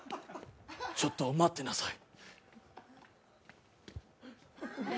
ちょっと待っていなさい。